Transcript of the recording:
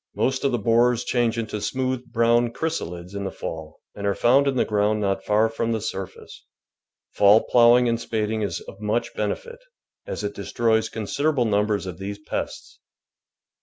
IMost of the borers change into smooth, brown chrysalids in the fall, and are found in the ground not far from the surface. Fall ploughing and spading is of much benefit, as it de stroys considerable numbers of these pests.